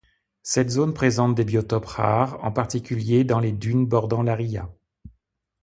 Cette zone présente des biotopes rares, en particulier dans les dunes bordant la ria.